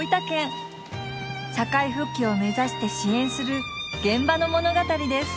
社会復帰を目指して支援する現場の物語です。